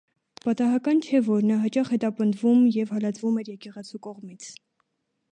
Պատահական չէ, որ նա հաճախ հետապնդվում և հալածվում էր եկեղեցու կողմից։